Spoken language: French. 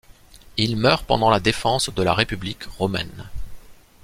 Il meurt pendant la défense de la république romaine.